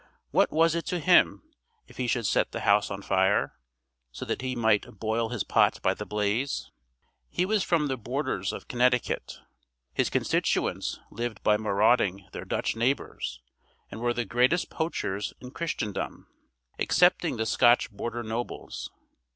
What was it to him if he should set the house on fire, so that he might boil his pot by the blaze? He was from the borders of Connecticut; his constituents lived by marauding their Dutch neighbors, and were the greatest poachers in Christendom, excepting the Scotch border nobles.